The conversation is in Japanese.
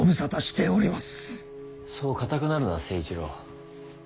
そう硬くなるな成一郎。